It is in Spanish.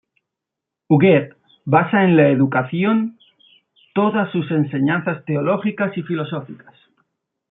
Huguet basa en la educación todas sus enseñanzas teológicas y filosóficas.